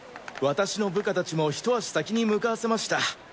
私の部下たちも一足先に向かわせました。